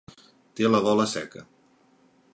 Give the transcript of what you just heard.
Té la gola seca.